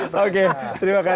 terima kasih sekali